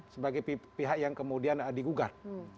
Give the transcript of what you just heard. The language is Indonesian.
sebagai pihak yang kemudian digugat